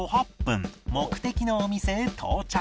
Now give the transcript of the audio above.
目的のお店へ到着